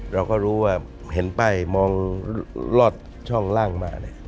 เราก็รู้ว่าเห็นป้ายมองลอดช่องล่างมา